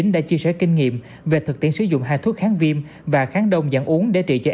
đã chia sẻ kinh nghiệm về thực tiễn sử dụng hai thuốc kháng viêm và kháng đông giảng uống để trị